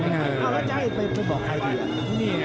แล้วจะให้ไปพูดบอกใครไป